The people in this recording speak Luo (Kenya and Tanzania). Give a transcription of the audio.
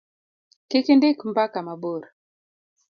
kik indik mbaka mabor